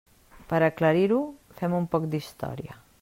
Per a aclarir-ho, fem un poc d'història.